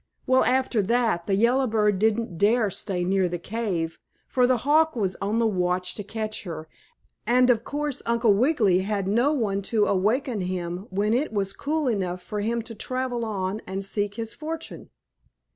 Well, after that the yellow bird didn't dare stay near the cave, for the hawk was on the watch to catch her, and, of course, Uncle Wiggily had no one to awaken him when it was cool enough for him to travel on and seek his fortune.